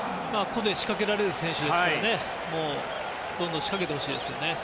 個で仕掛けられる選手なのでどんどん仕掛けてほしいです。